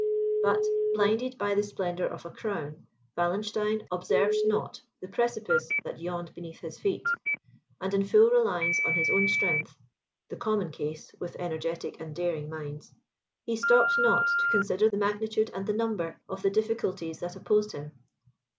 But, blinded by the splendour of a crown, Wallenstein observed not the precipice that yawned beneath his feet; and in full reliance on his own strength, the common case with energetic and daring minds, he stopped not to consider the magnitude and the number of the difficulties that opposed him.